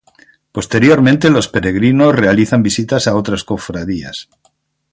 Posteriormente los peregrinos realizan visitas a otras cofradías.